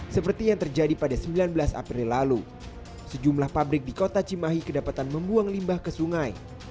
seperti yang terjadi pada sembilan belas april lalu sejumlah pabrik di kota cimahi kedapatan membuang limbah ke sungai